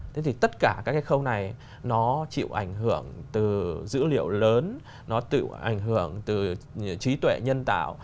thế thì tất cả các cái khâu này nó chịu ảnh hưởng từ dữ liệu lớn nó tự ảnh hưởng từ trí tuệ nhân tạo